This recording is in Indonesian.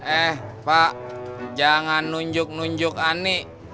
eh pak jangan nunjuk nunjuk ani